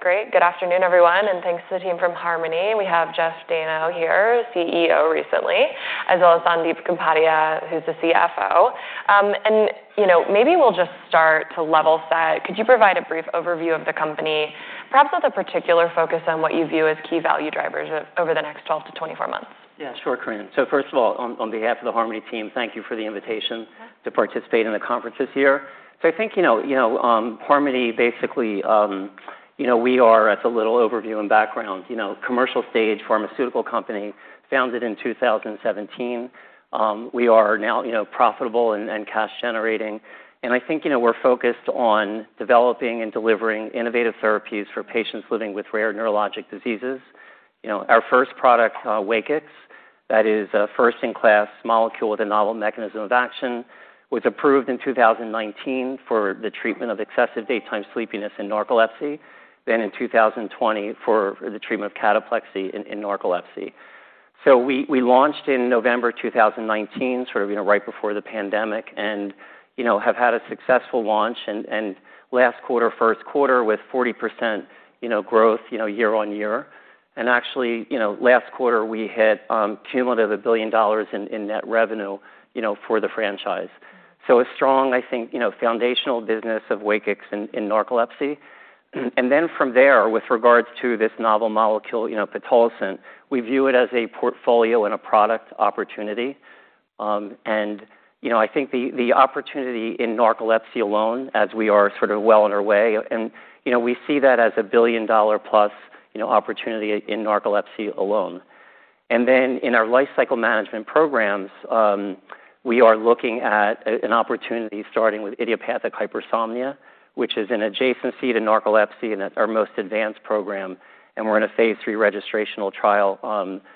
Great. Good afternoon, everyone, and thanks to the team from Harmony. We have Jeffrey Dayno here, CEO recently, as well as Sandip Kapadia, who's the CFO. You know, maybe we'll just start to level set. Could you provide a brief overview of the company, perhaps with a particular focus on what you view as key value drivers over the next 12-24 months? Yeah, sure, Corinne. First of all, on behalf of the Harmony team, thank you for the invitation... Uh-huh. ...to participate in the conference this year. I think, you know, you know, Harmony, basically, you know, we are, as a little overview and background, you know, commercial stage pharmaceutical company founded in 2017. We are now, you know, profitable and cash generating. I think, you know, we're focused on developing and delivering innovative therapies for patients living with rare neurologic diseases. You know, our first product, WAKIX, that is a first-in-class molecule with a novel mechanism of action, was approved in 2019 for the treatment of excessive daytime sleepiness and narcolepsy. In 2020 for the treatment of cataplexy in narcolepsy. We launched in November 2019, sort of, you know, right before the pandemic and, you know, have had a successful launch and last quarter, first quarter with 40%, you know, growth, you know, year-over-year. Actually, you know, last quarter, we hit cumulative $1 billion in net revenue, you know, for the franchise. A strong, I think, you know, foundational business of WAKIX in narcolepsy. From there, with regards to this novel molecule, you know, pitolisant, we view it as a portfolio and a product opportunity. You know, I think the opportunity in narcolepsy alone, as we are sort of well on our way, and, you know, we see that as a billion-dollar-plus, you know, opportunity in narcolepsy alone. In our lifecycle management programs, we are looking at an opportunity, starting with idiopathic hypersomnia, which is an adjacency to narcolepsy, and that's our most advanced program, and we're in a phase III registrational trial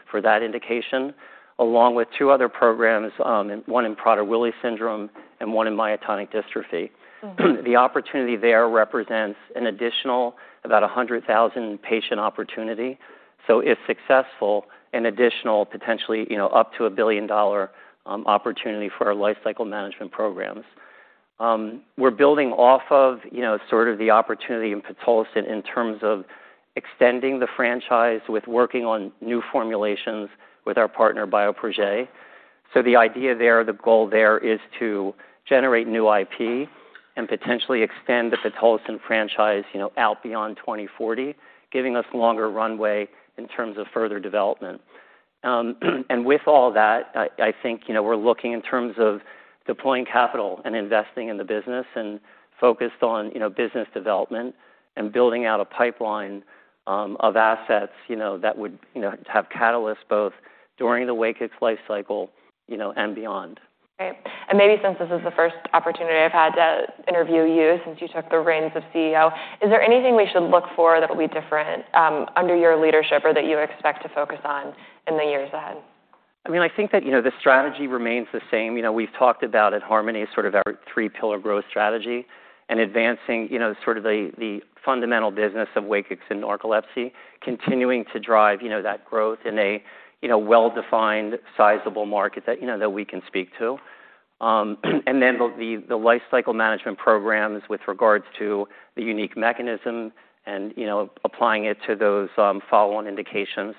for that indication, along with two other programs, and one in Prader-Willi syndrome and one in myotonic dystrophy. Mm-hmm. The opportunity there represents an additional about a 100,000 patient opportunity. If successful, an additional potentially, you know, up to a billion-dollar opportunity for our lifecycle management programs. We're building off of, you know, sort of the opportunity in pitolisant in terms of extending the franchise with working on new formulations with our partner, Bioprojet. The idea there, the goal there is to generate new IP and potentially extend the pitolisant franchise, you know, out beyond 2040, giving us longer runway in terms of further development. With all that, I think, you know, we're looking in terms of deploying capital and investing in the business and focused on, you know, business development and building out a pipeline of assets, you know, that would, you know, have catalysts both during the WAKIX life cycle, you know, and beyond. Great. Maybe since this is the first opportunity I've had to interview you since you took the reins of CEO, is there anything we should look for that will be different under your leadership or that you expect to focus on in the years ahead? I mean, I think that, you know, the strategy remains the same. You know, we've talked about at Harmony, sort of our three pillar growth strategy and advancing, you know, sort of the fundamental business of WAKIX and narcolepsy, continuing to drive, you know, that growth in a, you know, well-defined, sizable market that, you know, that we can speak to. Then the life cycle management programs with regards to the unique mechanism and, you know, applying it to those, follow-on indications.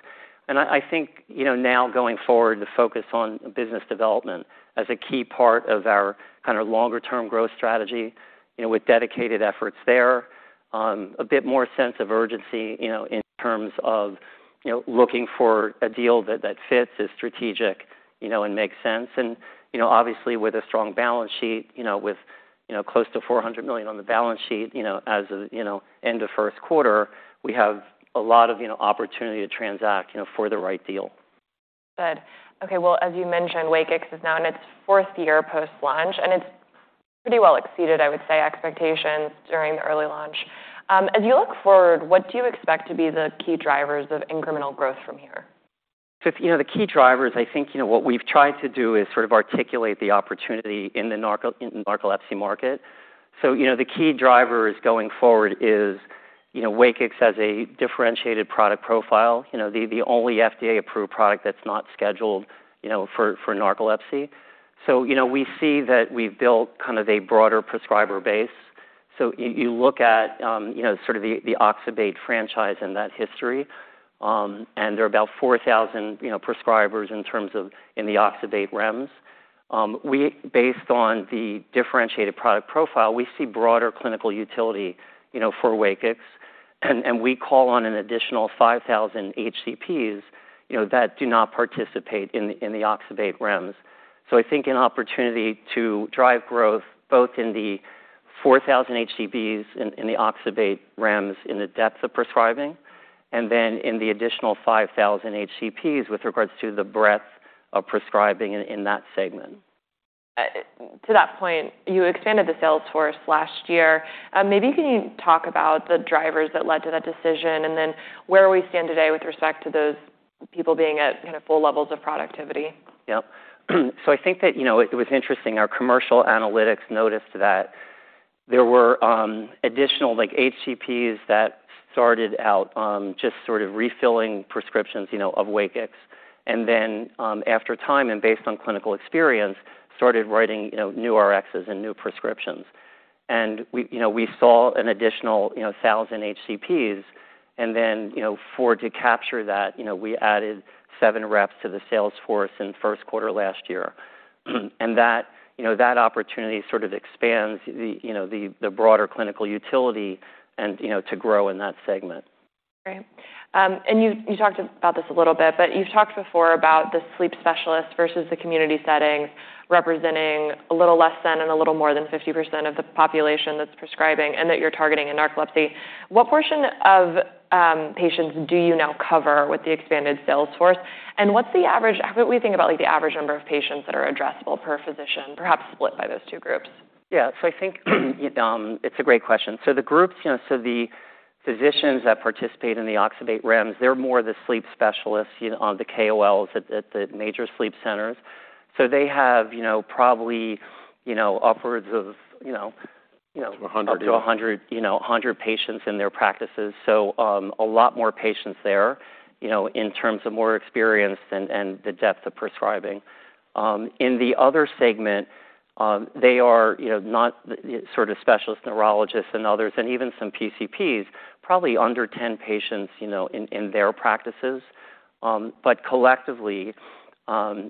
I think, you know, now going forward, the focus on business development as a key part of our kind of longer-term growth strategy, you know, with dedicated efforts there, a bit more sense of urgency, you know, in terms of, you know, looking for a deal that fits, is strategic, you know, and makes sense. You know, obviously with a strong balance sheet, you know, with, you know, close to $400 million on the balance sheet, you know, as of, you know, end of first quarter, we have a lot of, you know, opportunity to transact, you know, for the right deal. Good. Okay, well, as you mentioned, WAKIX is now in its fourth year post-launch, and it's pretty well exceeded, I would say, expectations during the early launch. As you look forward, what do you expect to be the key drivers of incremental growth from here? You know, the key drivers, I think, you know, what we've tried to do is sort of articulate the opportunity in the narcolepsy market. You know, the key drivers going forward is, you know, WAKIX has a differentiated product profile, you know, the only FDA-approved product that's not scheduled, you know, for narcolepsy. You know, we see that we've built kind of a broader prescriber base. You look at, you know, sort of the oxybate franchise and that history, and there are about 4,000, you know, prescribers in the oxybate REMS. We based on the differentiated product profile, we see broader clinical utility, you know, for WAKIX, and we call on an additional 5,000 HCPs, you know, that do not participate in the oxybate REMS. I think an opportunity to drive growth, both in the 4,000 HCPs in the oxybate REMS, in the depth of prescribing, and then in the additional 5,000 HCPs, with regards to the breadth of prescribing in that segment. To that point, you expanded the sales force last year. Maybe can you talk about the drivers that led to that decision, and then where we stand today with respect to those people being at kind of full levels of productivity? Yep. I think that, you know, it was interesting. Our commercial analytics noticed that there were, additional, like, HCPs that started out, just sort of refilling prescriptions, you know, of WAKIX. After time and based on clinical experience, started writing, you know, new Rxs and new prescriptions. We, you know, we saw an additional, you know, 1,000 HCPs, and then, you know, for to capture that, you know, we added seven reps to the sales force in the first quarter last year. That, you know, that opportunity sort of expands the, you know, the broader clinical utility and, you know, to grow in that segment. Great. You talked about this a little bit, but you've talked before about the sleep specialist versus the community setting, representing a little less than and a little more than 50% of the population that's prescribing and that you're targeting in narcolepsy. What portion of patients do you now cover with the expanded sales force? What's the average, how do we think about, like, the average number of patients that are addressable per physician, perhaps split by those two groups? Yeah. I think, it's a great question. The groups, you know, the physicians that participate in the oxybate REMS, they're more the sleep specialists, you know, on the KOLs at the major sleep centers. They have, you know, probably, you know, upwards of, you know. Up to 100, you know, 100 patients in their practices. A lot more patients there, you know, in terms of more experience and the depth of prescribing. In the other segment, they are, you know, not the sort of specialist neurologists and others, and even some PCPs, probably under 10 patients, you know, in their practices. Collectively,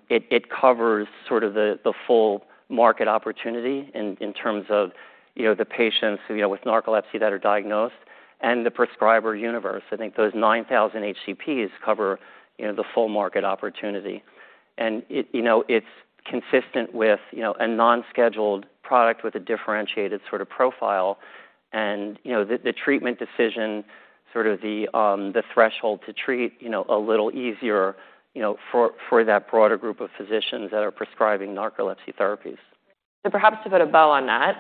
it covers sort of the full market opportunity in terms of, you know, the patients with narcolepsy that are diagnosed and the prescriber universe. I think those 9,000 HCPs cover, you know, the full market opportunity. It, you know, it's consistent with, you know, a non-scheduled product with a differentiated sort of profile. You know, the treatment decision, sort of the threshold to treat, you know, a little easier, you know, for that broader group of physicians that are prescribing narcolepsy therapies. Perhaps to put a bow on that,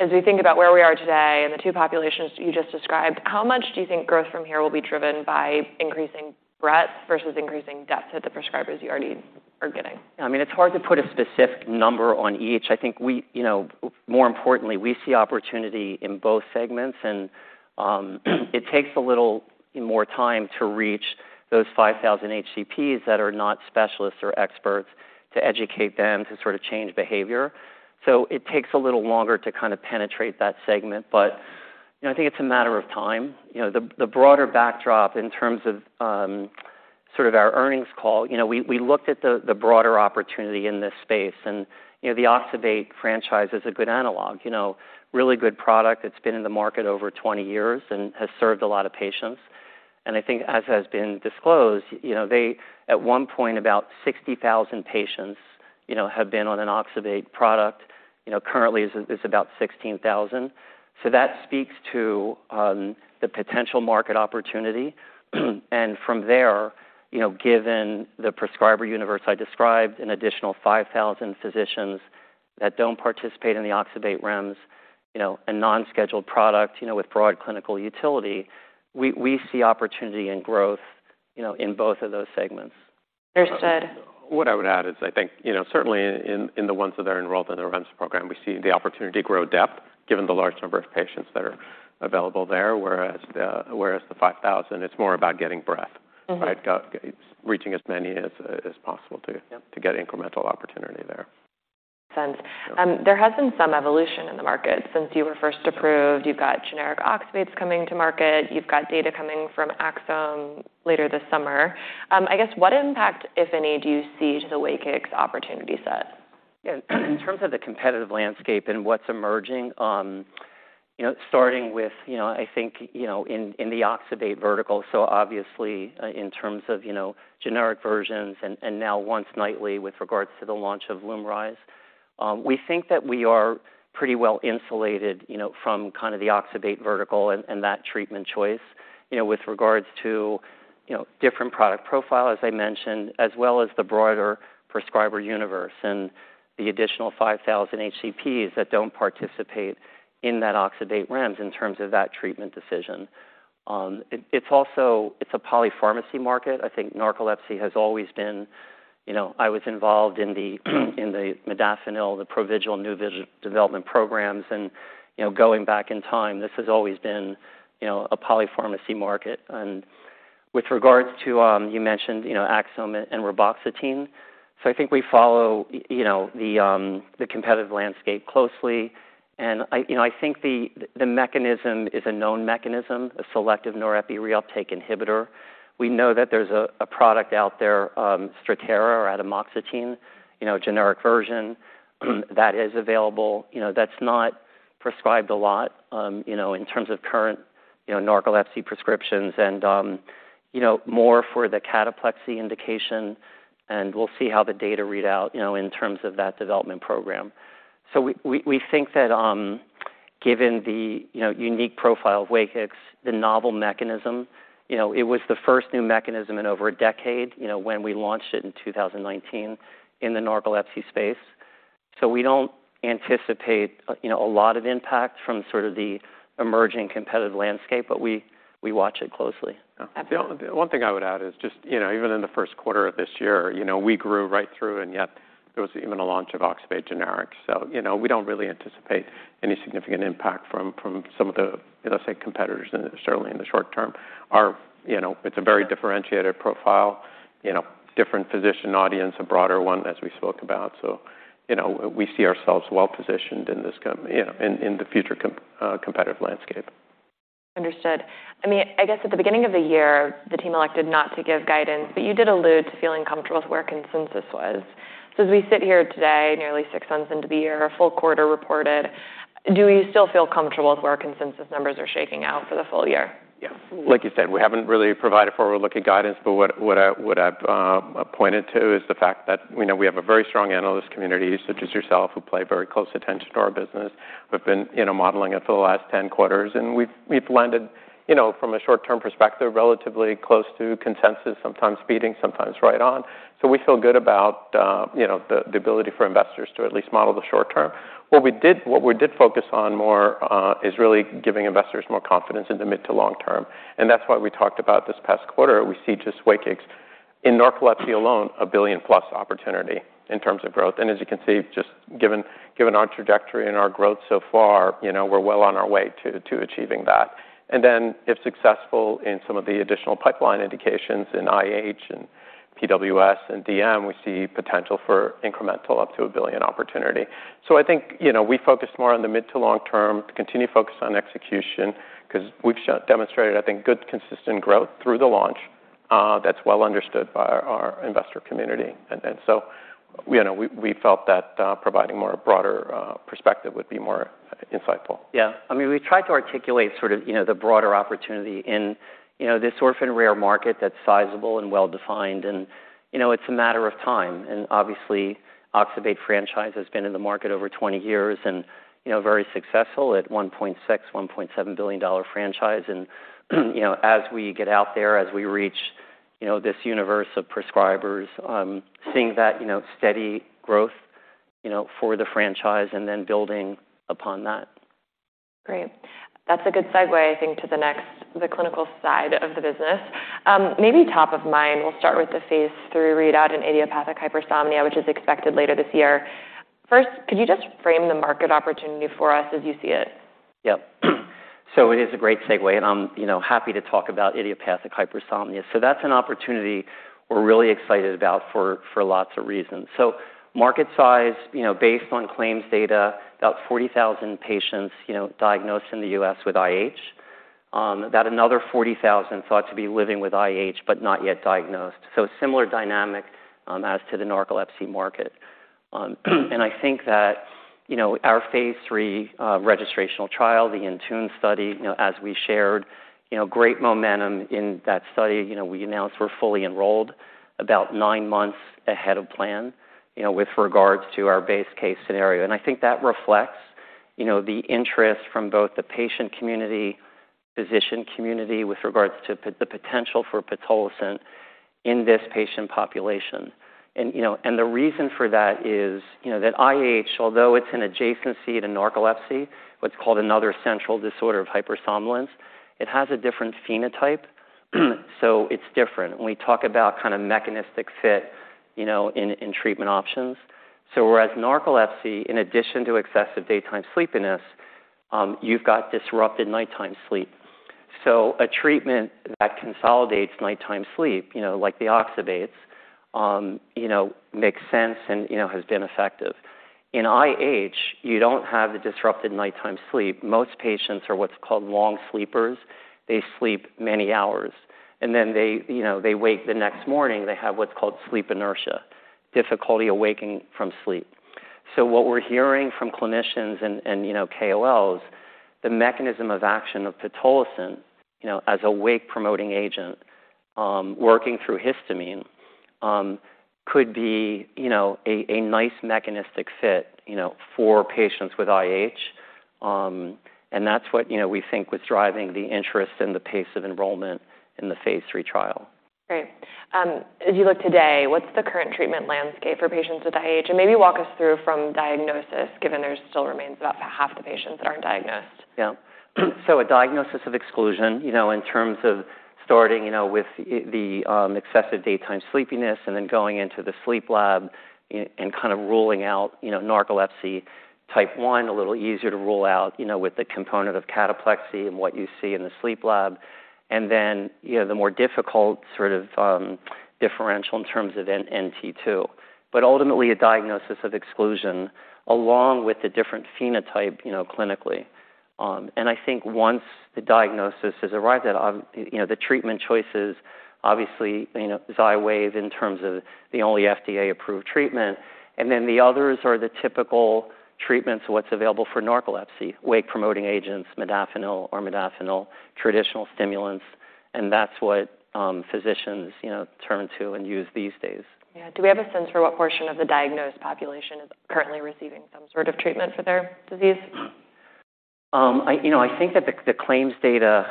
as we think about where we are today and the two populations you just described, how much do you think growth from here will be driven by increasing breadth versus increasing depth to the prescribers you already are getting? I mean, it's hard to put a specific number on each. I think we, you know, more importantly, we see opportunity in both segments, and it takes a little more time to reach those 5,000 HCPs that are not specialists or experts, to educate them to sort of change behavior. It takes a little longer to kind of penetrate that segment, but, you know, I think it's a matter of time. You know, the broader backdrop in terms of sort of our earnings call, you know, we looked at the broader opportunity in this space, and, you know, the oxybate franchise is a good analog. You know, really good product that's been in the market over 20 years and has served a lot of patients. I think as has been disclosed, you know, they, at one point, about 60,000 patients, you know, have been on an oxybate product. You know, currently is about 16,000. That speaks to the potential market opportunity. From there, you know, given the prescriber universe, I described an additional 5,000 physicians that don't participate in the oxybate REMS, you know, a non-scheduled product, you know, with broad clinical utility. We see opportunity and growth, you know, in both of those segments. Understood. What I would add is, I think, you know, certainly in the ones that are enrolled in the REMS program, we see the opportunity to grow depth, given the large number of patients that are available there. Whereas the 5,000, it's more about getting breadth. Mm-hmm. Right? Reaching as many as possible... Yep ...to get incremental opportunity there. Sense. There has been some evolution in the market since you were first approved. You've got generic oxybates coming to market. You've got data coming from Axsome later this summer. I guess, what impact, if any, do you see to the WAKIX opportunity set? In terms of the competitive landscape and what's emerging, you know, starting with, you know, I think, you know, in the oxybate vertical, so obviously in terms of, you know, generic versions and now once nightly with regards to the launch of LUMRYZ. We think that we are pretty well insulated, you know, from kind of the oxybate vertical and that treatment choice. You know, with regards to, you know, different product profile, as I mentioned, as well as the broader prescriber universe and the additional 5,000 HCPs that don't participate in that oxybate REMS in terms of that treatment decision. It's also a polypharmacy market. I think narcolepsy has always been... You know, I was involved in the modafinil, the Provigil development programs. You know, going back in time, this has always been, you know, a polypharmacy market. With regards to, you mentioned, you know, Axsome and reboxetine. I think we follow, you know, the competitive landscape closely. I, you know, I think the mechanism is a known mechanism, a selective norepinephrine uptake inhibitor. We know that there's a product out there, Strattera or atomoxetine, you know, generic version, that is available. You know, that's not prescribed a lot, you know, in terms of current, you know, narcolepsy prescriptions, you know, more for the cataplexy indication. We'll see how the data read out, you know, in terms of that development program. We think that, given the, you know, unique profile of WAKIX, the novel mechanism, you know, it was the first new mechanism in over a decade, you know, when we launched it in 2019 in the narcolepsy space. We don't anticipate, you know, a lot of impact from sort of the emerging competitive landscape, but we watch it closely. Absolutely. One thing I would add is just, you know, even in the first quarter of this year, you know, we grew right through. There was even a launch of oxybate generic. You know, we don't really anticipate any significant impact from some of the, let's say, competitors, certainly in the short term. Our, you know, it's a very differentiated profile, you know, different physician audience, a broader one, as we spoke about. You know, we see ourselves well positioned in this, you know, in the future competitive landscape. Understood. I mean, I guess at the beginning of the year, the team elected not to give guidance, you did allude to feeling comfortable with where consensus was. As we sit here today, nearly six months into the year, a full quarter reported, do you still feel comfortable with where consensus numbers are shaking out for the full year? Yeah. Like you said, we haven't really provided forward-looking guidance, but what I've pointed to is the fact that, you know, we have a very strong analyst community, such as yourself, who pay very close attention to our business. We've been, you know, modeling it for the last 10 quarters, and we've landed, you know, from a short-term perspective, relatively close to consensus, sometimes beating, sometimes right on. We feel good about, you know, the ability for investors to at least model the short term. What we did focus on more is really giving investors more confidence in the mid to long term, and that's why we talked about this past quarter. We see just WAKIX. In narcolepsy alone, a $1 billion-plus opportunity in terms of growth, as you can see, just given our trajectory and our growth so far, you know, we're well on our way to achieving that. If successful in some of the additional pipeline indications in IH and PWS and DM, we see potential for incremental up to a $1 billion opportunity. I think, you know, we focus more on the mid to long term, continue to focus on execution, 'cause we've demonstrated, I think, good, consistent growth through the launch that's well understood by our investor community. You know, we felt that providing more broader perspective would be more insightful. Yeah. I mean, we tried to articulate sort of, you know, the broader opportunity in, you know, this orphan rare market that's sizable and well-defined, and, you know, it's a matter of time. obviously, oxybate franchise has been in the market over 20 years and, you know, very successful at $1.6 billion-$1.7 billion franchise. you know, as we get out there, as we reach, you know, this universe of prescribers, seeing that, you know, steady growth, you know, for the franchise and then building upon that. Great. That's a good segue, I think, to the next, the clinical side of the business. Maybe top of mind, we'll start with the phase III readout in idiopathic hypersomnia, which is expected later this year. First, could you just frame the market opportunity for us as you see it? Yep. It is a great segue, and I'm, you know, happy to talk about idiopathic hypersomnia. That's an opportunity we're really excited about for lots of reasons. Market size, you know, based on claims data, about 40,000 patients, you know, diagnosed in the U.S. with IH, about another 40,000 thought to be living with IH, but not yet diagnosed. Similar dynamic as to the narcolepsy market. I think that, you know, our phase III registrational trial, the INTUNE study, you know, as we shared, you know, great momentum in that study. We announced we're fully enrolled about nine months ahead of plan, you know, with regards to our base case scenario, I think that reflects, you know, the interest from both the patient community, physician community, with regards to the potential for pitolisant in this patient population. You know, the reason for that is, you know, that IH, although it's an adjacency to narcolepsy, what's called another central disorder of hypersomnolence, it has a different phenotype, so it's different when we talk about kind of mechanistic fit, you know, in treatment options. Whereas narcolepsy, in addition to excessive daytime sleepiness, you've got disrupted nighttime sleep. A treatment that consolidates nighttime sleep, you know, like the oxybates, you know, makes sense and, you know, has been effective. In IH, you don't have the disrupted nighttime sleep. Most patients are what's called long sleepers. They sleep many hours, and then they, you know, they wake the next morning, they have what's called sleep inertia, difficulty awaking from sleep. What we're hearing from clinicians and, you know, KOLs, the mechanism of action of pitolisant, you know, as a wake-promoting agent, working through histamine, could be, you know, a nice mechanistic fit, you know, for patients with IH. And that's what, you know, we think was driving the interest and the pace of enrollment in the phase III trial. Great. as you look today, what's the current treatment landscape for patients with IH? maybe walk us through from diagnosis, given there still remains about half the patients that aren't diagnosed? Yeah. A diagnosis of exclusion, you know, in terms of starting, you know, with the excessive daytime sleepiness and then going into the sleep lab and kind of ruling out, you know, narcolepsy type 1, a little easier to rule out, you know, with the component of cataplexy and what you see in the sleep lab. Then, you know, the more difficult sort of differential in terms of NT2. Ultimately, a diagnosis of exclusion, along with the different phenotype, you know, clinically. I think once the diagnosis has arrived at, you know, the treatment choices, obviously, you know, XYWAV, in terms of the only FDA-approved treatment, and then the others are the typical treatments, what's available for narcolepsy, wake-promoting agents, modafinil or armodafinil, traditional stimulants, and that's what physicians, you know, turn to and use these days. Yeah. Do we have a sense for what portion of the diagnosed population is currently receiving some sort of treatment for their disease? You know, I think that the claims data,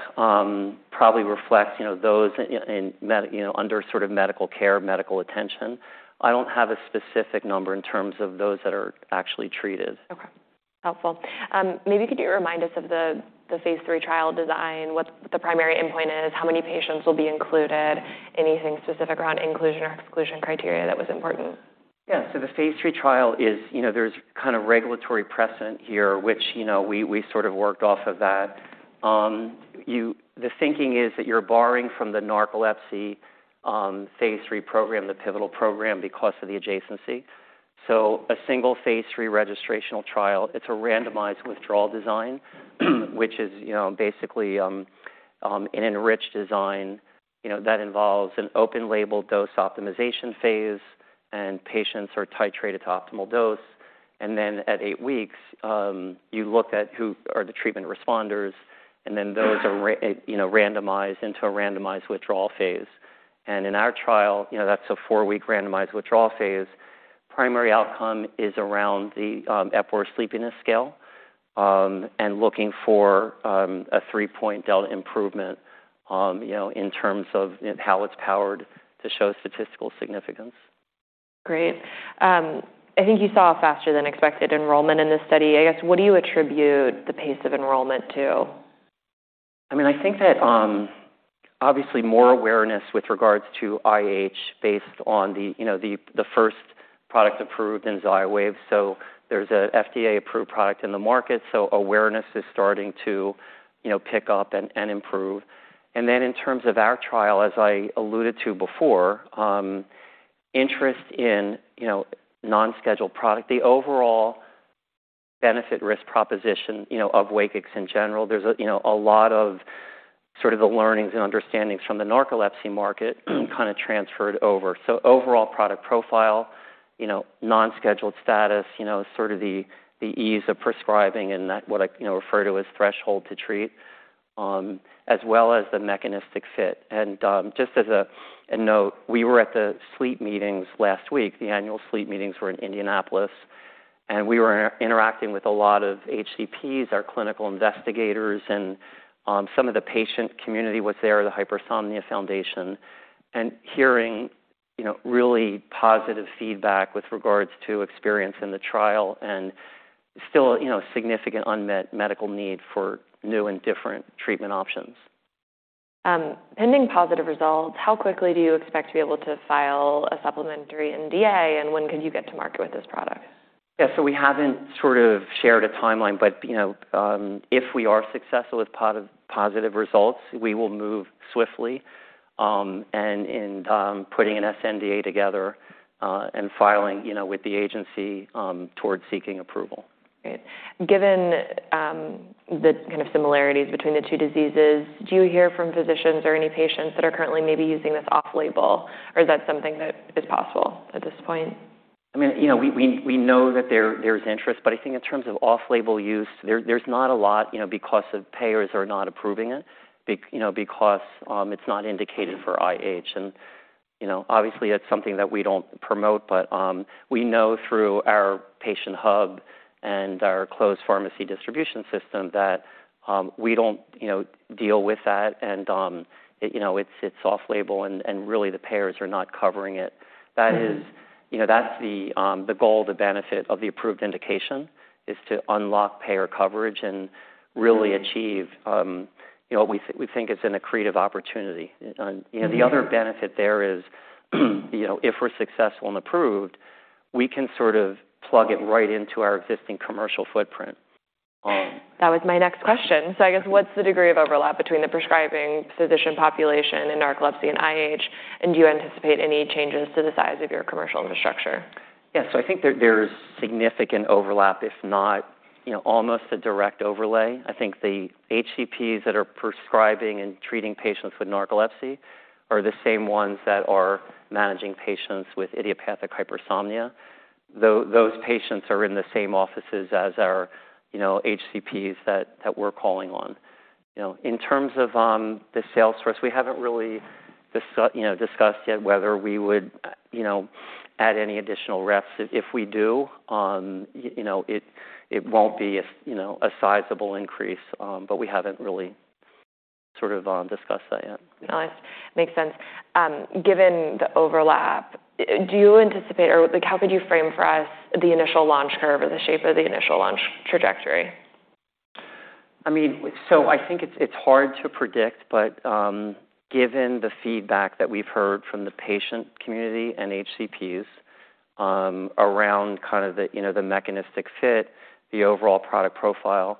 probably reflects, you know, those in you know, under sort of medical care, medical attention. I don't have a specific number in terms of those that are actually treated. Okay. helpful. maybe could you remind us of the phase III trial design, what the primary endpoint is, how many patients will be included, anything specific around inclusion or exclusion criteria that was important? Yeah. The phase III trial is, you know, there's kind of regulatory precedent here, which, you know, we sort of worked off of that. The thinking is that you're borrowing from the narcolepsy phase III program, the pivotal program, because of the adjacency. A single phase III registrational trial, it's a randomized withdrawal design, which is, you know, basically an enriched design, you know, that involves an open-label dose optimization phase, and patients are titrated to optimal dose. At eight weeks, you look at who are the treatment responders, and those are, you know, randomized into a randomized withdrawal phase. In our trial, you know, that's a four-week randomized withdrawal phase. Primary outcome is around the Epworth Sleepiness Scale, and looking for a three-point delta improvement, you know, in terms of how it's powered to show statistical significance. Great. I think you saw a faster-than-expected enrollment in this study. I guess, what do you attribute the pace of enrollment to? I mean, I think that, obviously, more awareness with regards to IH based on the, you know, the first product approved in XYWAV. There's an FDA-approved product in the market, so awareness is starting to, you know, pick up and improve. In terms of our trial, as I alluded to before, interest in, you know, non-scheduled product, the overall benefit-risk proposition, you know, of WAKIX in general, there's a, you know, a lot of sort of the learnings and understandings from the narcolepsy market kind of transferred over. Overall product profile, you know, non-scheduled status, you know, sort of the ease of prescribing and that what I, you know, refer to as threshold to treat, as well as the mechanistic fit. Just as a note, we were at the sleep meetings last week. The annual sleep meetings were in Indianapolis, and we were interacting with a lot of HCPs, our clinical investigators, and some of the patient community was there, the Hypersomnia Foundation, and hearing, you know, really positive feedback with regards to experience in the trial and still, you know, significant unmet medical need for new and different treatment options. Pending positive results, how quickly do you expect to be able to file a supplementary NDA, and when could you get to market with this product? Yeah. We haven't sort of shared a timeline, but, you know, if we are successful with positive results, we will move swiftly, and in, putting an sNDA together, and filing, you know, with the agency, towards seeking approval. Great. Given the kind of similarities between the two diseases, do you hear from physicians or any patients that are currently maybe using this off-label, or is that something that is possible at this point? I mean, you know, we know that there's interest, but I think in terms of off-label use, there's not a lot, you know, because the payers are not approving it, you know, because it's not indicated for IH. You know, obviously, it's something that we don't promote, but we know through our patient hub and our closed pharmacy distribution system that we don't, you know, deal with that, and you know, it's off-label, and really, the payers are not covering it. That is.... Mm-hmm. ...you know, that's the goal, the benefit of the approved indication, is to unlock payer coverage and... Mm-hmm ...really achieve, you know, we think it's an accretive opportunity. Mm-hmm. You know, the other benefit there is, you know, if we're successful and approved, we can sort of plug it right into our existing commercial footprint. That was my next question. I guess, what's the degree of overlap between the prescribing physician population in narcolepsy and IH, and do you anticipate any changes to the size of your commercial infrastructure? Yes. I think there is significant overlap, if not, you know, almost a direct overlay. The HCPs that are prescribing and treating patients with narcolepsy are the same ones that are managing patients with idiopathic hypersomnia. Those patients are in the same offices as our, you know, HCPs that we're calling on. You know, in terms of the sales force, we haven't really you know, discussed yet whether we would, you know, add any additional reps. If we do, you know, it won't be a, you know, a sizable increase, we haven't really sort of discussed that yet. Nice. Makes sense. Given the overlap, do you anticipate, or, like, how could you frame for us the initial launch curve or the shape of the initial launch trajectory? I think it's hard to predict, given the feedback that we've heard from the patient community and HCPs, around kind of the, you know, the mechanistic fit, the overall product profile,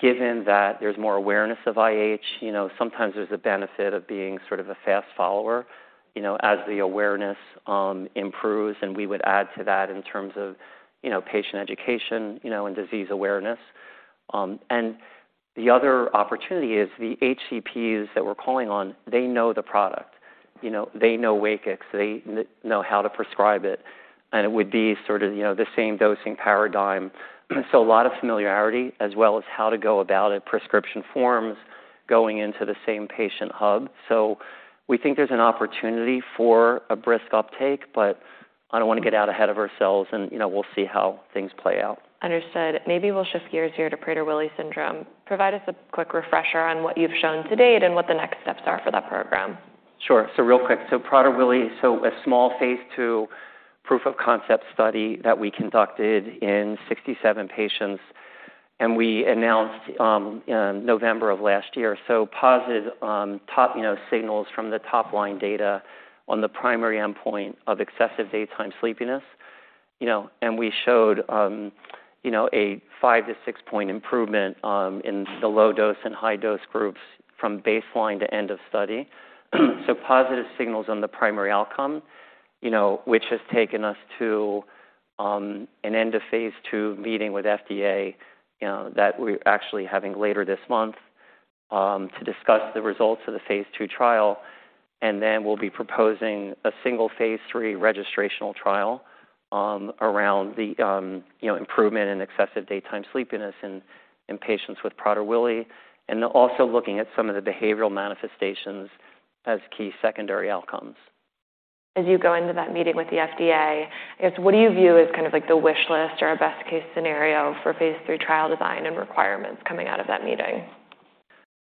given that there's more awareness of IH, you know, sometimes there's a benefit of being sort of a fast follower, you know, as the awareness improves, and we would add to that in terms of, you know, patient education, you know, and disease awareness. The other opportunity is the HCPs that we're calling on. They know the product. You know, they know WAKIX, they know how to prescribe it, and it would be sort of, you know, the same dosing paradigm. A lot of familiarity, as well as how to go about it, prescription forms, going into the same patient hub. We think there's an opportunity for a brisk uptake, but I don't want to get out ahead of ourselves and, you know, we'll see how things play out. Understood. Maybe we'll shift gears here to Prader-Willi syndrome. Provide us a quick refresher on what you've shown to date and what the next steps are for that program. Sure. Real quick, so Prader-Willi, so a small phase II proof of concept study that we conducted in 67 patients, and we announced in November of last year. Positive, top, you know, signals from the top-line data on the primary endpoint of excessive daytime sleepiness. You know, and we showed, you know, a 5 to 6-point improvement in the low dose and high dose groups from baseline to end of study. Positive signals on the primary outcome, you know, which has taken us to an end of phase II meeting with FDA, you know, that we're actually having later this month to discuss the results of the phase II trial. We'll be proposing a single phase III registrational trial, around the, you know, improvement in excessive daytime sleepiness in patients with Prader-Willi, and also looking at some of the behavioral manifestations as key secondary outcomes. As you go into that meeting with the FDA, what do you view as kind of, like, the wish list or a best-case scenario for phase III trial design and requirements coming out of that meeting?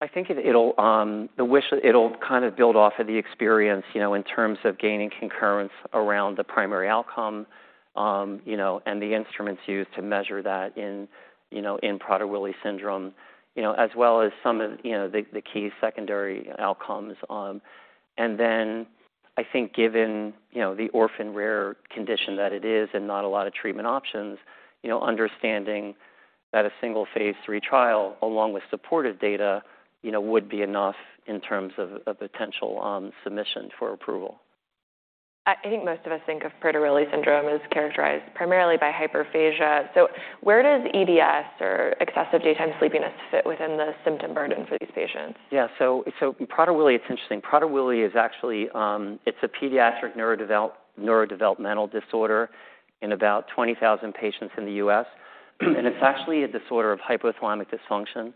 I think it'll, it'll kind of build off of the experience, you know, in terms of gaining concurrence around the primary outcome, you know, and the instruments used to measure that in, you know, in Prader-Willi syndrome. You know, as well as some of, you know, the key secondary outcomes, and then I think given, you know, the orphan rare condition that it is and not a lot of treatment options, you know, understanding that a single phase III trial, along with supportive data, you know, would be enough in terms of a potential, submission for approval. I think most of us think of Prader-Willi syndrome as characterized primarily by hyperphagia. Where does EDS, or excessive daytime sleepiness, fit within the symptom burden for these patients? Prader-Willi, it's interesting. Prader-Willi is actually, it's a pediatric neurodevelopmental disorder in about 20,000 patients in the U.S., and it's actually a disorder of hypothalamic dysfunction.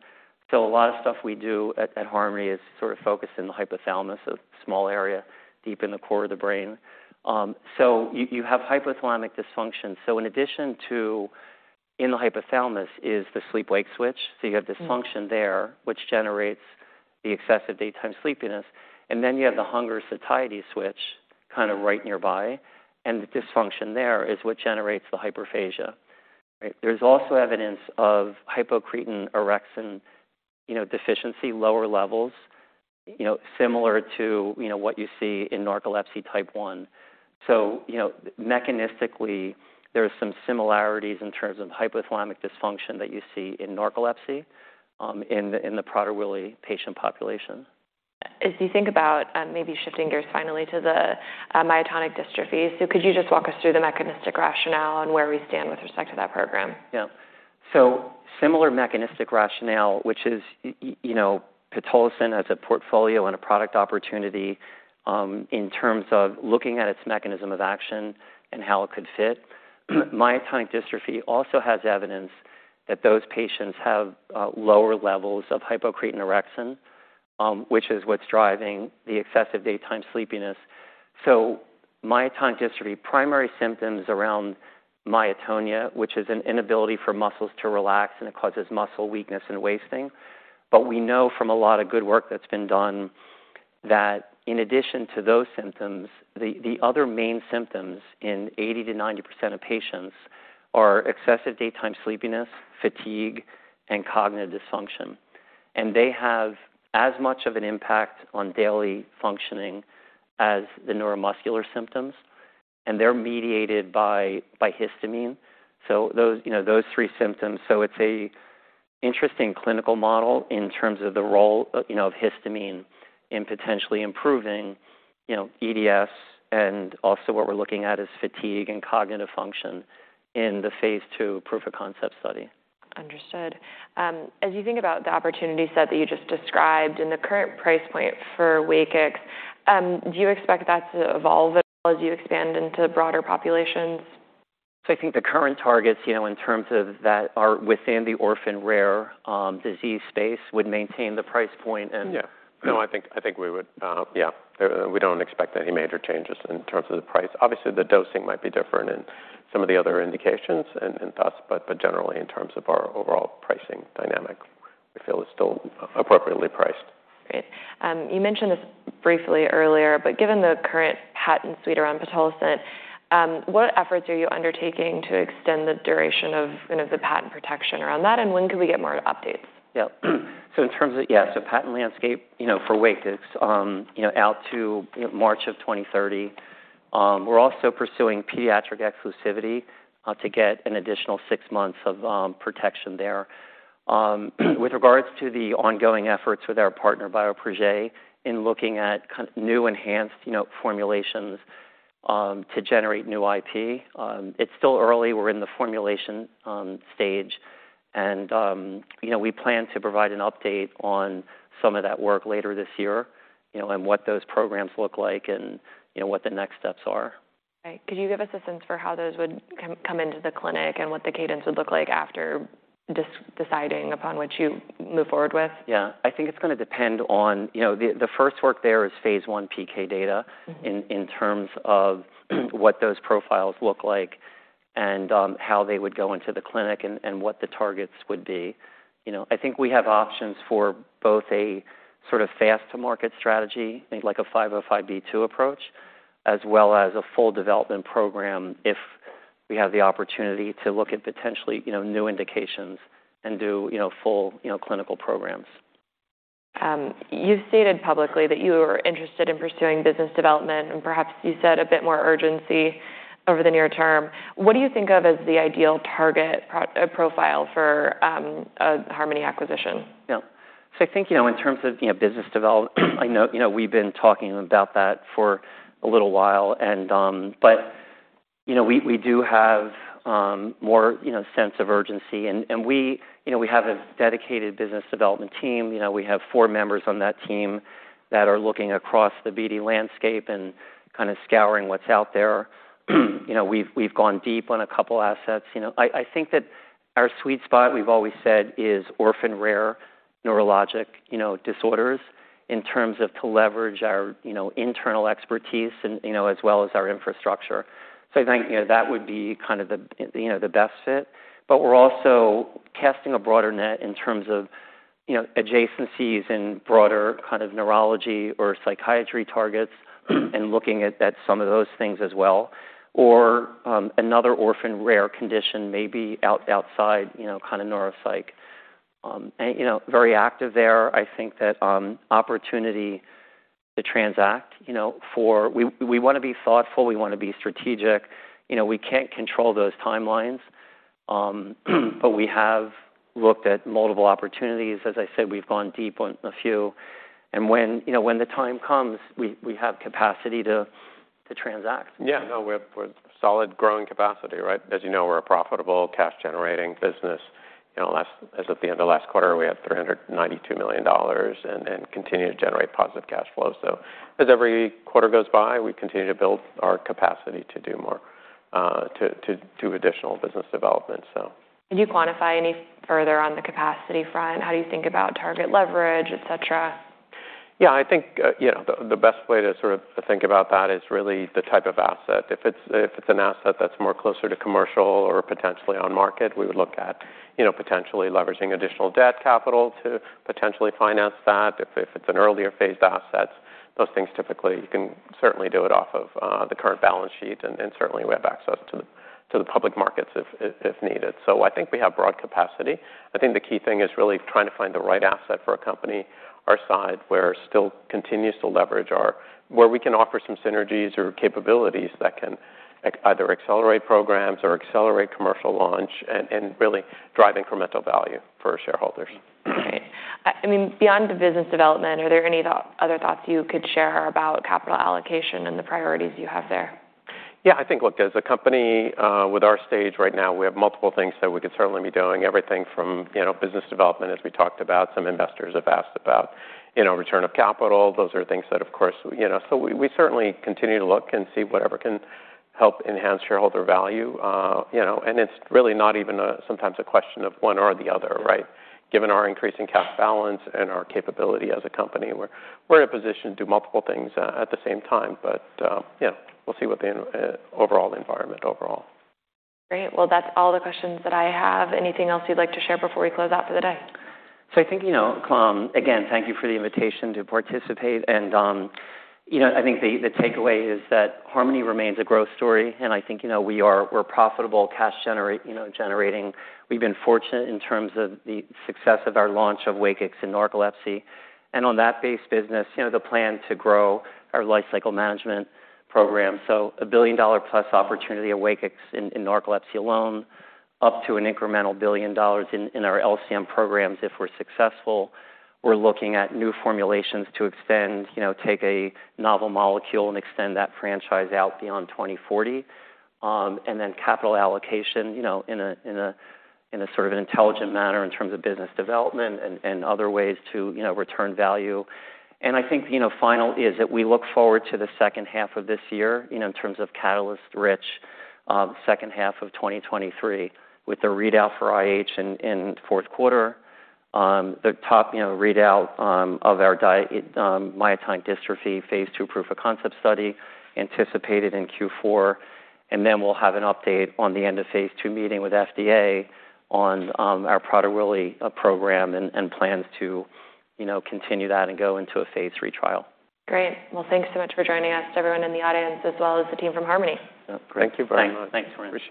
A lot of stuff we do at Harmony is sort of focused in the hypothalamus, a small area deep in the core of the brain. You have hypothalamic dysfunction. In addition to in the hypothalamus is the sleep-wake switch. You have dysfunction there, which generates the excessive daytime sleepiness, and then you have the hunger satiety switch kind of right nearby, and the dysfunction there is what generates the hyperphagia. Right? There's also evidence of hypocretin/orexin, you know, deficiency, lower levels, you know, similar to, you know, what you see in narcolepsy type 1. You know, mechanistically, there are some similarities in terms of hypothalamic dysfunction that you see in narcolepsy, in the Prader-Willi patient population. As you think about, maybe shifting gears finally to the myotonic dystrophies, could you just walk us through the mechanistic rationale and where we stand with respect to that program? Yeah. Similar mechanistic rationale, which is, you know, pitolisant has a portfolio and a product opportunity, in terms of looking at its mechanism of action and how it could fit. Myotonic dystrophy also has evidence that those patients have lower levels of hypocretin/orexin, which is what's driving the excessive daytime sleepiness. Myotonic dystrophy, primary symptoms around myotonia, which is an inability for muscles to relax, and it causes muscle weakness and wasting. We know from a lot of good work that's been done, that in addition to those symptoms, the other main symptoms in 80%-90% of patients are excessive daytime sleepiness, fatigue, and cognitive dysfunction. They have as much of an impact on daily functioning as the neuromuscular symptoms, and they're mediated by histamine. Those, you know, those three symptoms. It's a interesting clinical model in terms of the role, you know, of histamine in potentially improving, you know, EDS, and also what we're looking at is fatigue and cognitive function in the phase II proof of concept study. Understood. As you think about the opportunity set that you just described and the current price point for WAKIX, do you expect that to evolve at all as you expand into broader populations? I think the current targets, you know, in terms of that are within the orphan rare disease space, would maintain the price point. Yeah. No, I think we would. Yeah, we don't expect any major changes in terms of the price. Obviously, the dosing might be different in some of the other indications and thoughts, generally, in terms of our overall pricing dynamic, we feel it's still appropriately priced. Great. You mentioned this briefly earlier, but given the current patent suite around pitolisant, what efforts are you undertaking to extend the duration of, you know, the patent protection around that, and when can we get more updates? Patent landscape, you know, for WAKIX, you know, out to March of 2030. We're also pursuing pediatric exclusivity to get an additional six months of protection there. With regards to the ongoing efforts with our partner, Bioprojet, in looking at kind of new, enhanced, you know, formulations to generate new IP, it's still early. We're in the formulation stage, and, you know, we plan to provide an update on some of that work later this year, you know, and what those programs look like, and, you know, what the next steps are. Right. Could you give us a sense for how those would come into the clinic and what the cadence would look like after deciding upon what you move forward with? Yeah. I think it's going to depend on, you know, the first work there is phase I PK data... Mm-hmm. ...in terms of what those profiles look like. How they would go into the clinic and what the targets would be. You know, I think we have options for both a sort of fast-to-market strategy, like a 505(b)(2) approach, as well as a full development program if we have the opportunity to look at potentially, you know, new indications and do, you know, full, you know, clinical programs. You've stated publicly that you are interested in pursuing business development, and perhaps you said a bit more urgency over the near term. What do you think of as the ideal target profile for a Harmony acquisition? Yeah. I think, you know, in terms of, you know, business development, I know, you know, we've been talking about that for a little while. We, you know, we do have more, you know, sense of urgency and we, you know, we have a dedicated business development team. You know, we have four members on that team that are looking across the BD landscape and kind of scouring what's out there. You know, we've gone deep on a couple assets. You know, I think that our sweet spot, we've always said, is orphan rare neurologic, you know, disorders in terms of to leverage our, you know, internal expertise and, you know, as well as our infrastructure. I think, you know, that would be kind of the, you know, the best fit. We're also casting a broader net in terms of, you know, adjacencies and broader kind of neurology or psychiatry targets and looking at some of those things as well, or another orphan rare condition, maybe outside, you know, kind of neuropsych. You know, very active there. I think that opportunity to transact, you know, We, we want to be thoughtful. We want to be strategic. You know, we can't control those timelines, but we have looked at multiple opportunities. As I said, we've gone deep on a few, and when, you know, when the time comes, we have capacity to transact. Yeah, no, we have solid growing capacity, right? As you know, we're a profitable, cash-generating business. You know, as at the end of last quarter, we had $392 million and continue to generate positive cash flows. As every quarter goes by, we continue to build our capacity to do more to additional business development. Can you quantify any further on the capacity front? How do you think about target leverage, et cetera? Yeah, I think, you know, the best way to sort of think about that is really the type of asset. If it's an asset that's more closer to commercial or potentially on market, we would look at, you know, potentially leveraging additional debt capital to potentially finance that. If it's an earlier phased asset, those things typically, you can certainly do it off of the current balance sheet, and certainly we have access to the public markets if needed. I think we have broad capacity. I think the key thing is really trying to find the right asset for a company our size, where it still continues to leverage where we can offer some synergies or capabilities that can either accelerate programs or accelerate commercial launch and really drive incremental value for shareholders. Great. I mean, beyond the business development, are there any other thoughts you could share about capital allocation and the priorities you have there? Yeah, I think, look, as a company, with our stage right now, we have multiple things that we could certainly be doing, everything from, you know, business development, as we talked. Some investors have asked about, you know, return of capital. Those are things that, of course, you know. We certainly continue to look and see whatever can help enhance shareholder value. You know, and it's really not even a, sometimes a question of one or the other, right? Given our increasing cash balance and our capability as a company, we're in a position to do multiple things at the same time. Yeah, we'll see what the overall environment overall. Great. That's all the questions that I have. Anything else you'd like to share before we close out for the day? I think, you know, again, thank you for the invitation to participate. You know, I think the takeaway is that Harmony remains a growth story. I think, you know, we're profitable, cash generate, you know, generating. We've been fortunate in terms of the success of our launch of WAKIX in narcolepsy. On that base business, you know, the plan to grow our lifecycle management program. A billion-dollar-plus opportunity of WAKIX in narcolepsy alone, up to an incremental $1 billion in our LCM programs if we're successful. We're looking at new formulations to extend, you know, take a novel molecule and extend that franchise out beyond 2040. Capital allocation, you know, in a sort of an intelligent manner in terms of business development and other ways to, you know, return value. I think, you know, final is that we look forward to the second half of this year, you know, in terms of catalyst rich, second half of 2023, with the readout for IH in 4th quarter. The top, you know, readout of our myotonic dystrophy phase II proof of concept study anticipated in Q4. We'll have an update on the end of phase II meeting with FDA on our Prader-Willi program and plans to, you know, continue that and go into a phase III trial. Great. Well, thanks so much for joining us, to everyone in the audience, as well as the team from Harmony. Yeah. Thank you very much. Thanks. Thanks. Appreciate it.